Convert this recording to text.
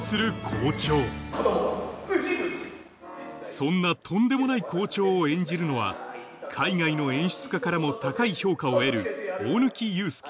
そんなとんでもない校長を演じるのは海外の演出家からも高い評価を得る